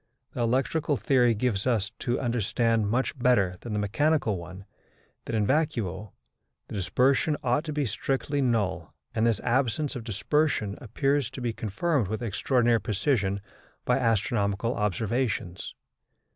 The electrical theory gives us to understand, much better than the mechanical one, that in vacuo the dispersion ought to be strictly null, and this absence of dispersion appears to be confirmed with extraordinary precision by astronomical observations.